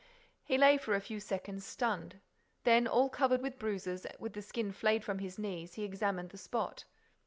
He lay for a few seconds stunned. Then, all covered with bruises, with the skin flayed from his knees, he examined the spot.